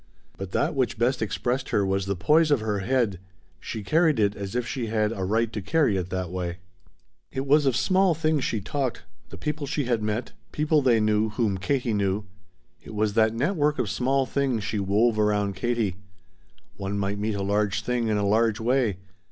But that which best expressed her was the poise of her head. She carried it as if she had a right to carry it that way. It was of small things she talked: the people she had met, people they knew whom Katie knew. It was that net work of small things she wove around Katie. One might meet a large thing in a large way.